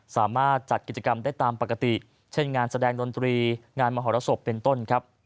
จัดกิจกรรมได้ตามปกติเช่นงานแสดงดนตรีงานมหรสบเป็นต้นครับ